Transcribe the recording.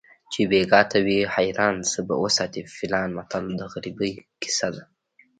چې بیګا ته وي حیران څه به وساتي فیلان متل د غریبۍ کیسه ده